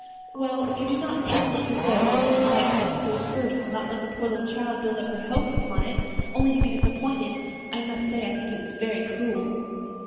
"Well, if you did not intend to let her go, I think you might have said so at first, and not left the poor child to build her hopes upon it, only to be disappointed. I must say I think it was cruel."